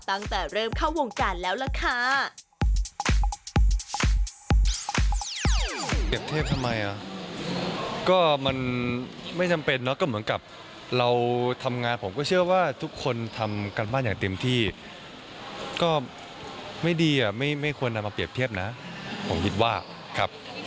ตั้งแต่เริ่มเข้าวงการแล้วล่ะค่ะ